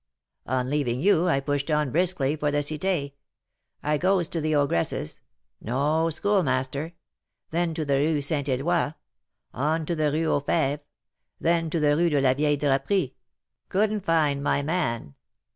"On leaving you, I pushed on briskly for the Cité. I goes to the ogress's, no Schoolmaster; then to the Rue Saint Eloi; on to the Rue aux Fêves; then to the Rue de la Vieille Draperie, couldn't find my man.